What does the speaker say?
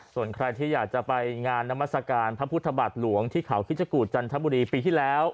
ส่วนใครที่อยากจะไปงานนามัศกาลพระพุทธบาทหลวงที่เขาคิชกูธจันทบุรีปีที่แล้ว